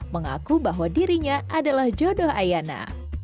mengaku bahwa dirinya adalah jodoh ayana